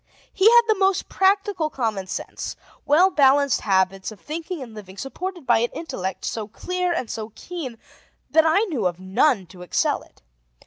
He had the most practical common sense well balanced habits of thinking and living, supported by an intellect so clear and so keen that I knew of none to excel it.